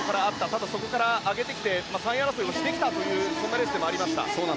ただ、そこから上げてきて３位争いをしてきたというそんなレースでもありました。